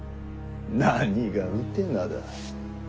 何がうてなだ。